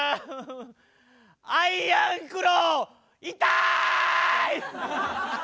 アイアンクロー痛い！